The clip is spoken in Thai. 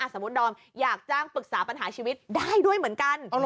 สมมุติดอมอยากจ้างปรึกษาปัญหาชีวิตได้ด้วยเหมือนกัน